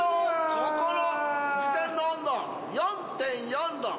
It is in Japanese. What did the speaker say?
ここの時点の温度４．４℃。